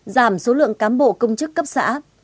giảm số lượng cám bộ công chức cấp xã